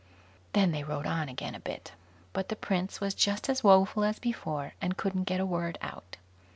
Then they rode on again a bit, but the prince was just as woeful as before, and couldn't get a word out.